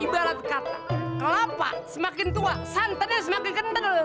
ibarat kata kelapa semakin tua santannya semakin kental